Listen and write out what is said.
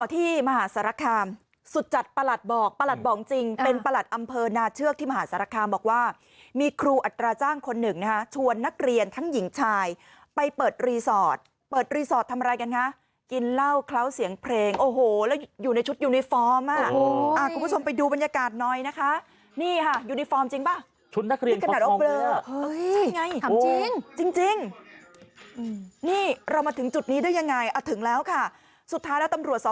ที่มหาสารคามสุดจัดประหลัดบอกประหลัดบอกจริงเป็นประหลัดอำเภอนาเชือกที่มหาสารคามบอกว่ามีครูอัตราจ้างคนหนึ่งนะฮะชวนนักเรียนทั้งหญิงชายไปเปิดรีสอร์ทเปิดรีสอร์ททำอะไรกันฮะกินเหล้าเคล้าเสียงเพลงโอ้โหแล้วอยู่ในชุดยูนิฟอร์มอ่ะโอ้โหคุณผู้ชมไปดูบรรยากาศน้อยนะคะนี่ค่ะยูนิฟอร์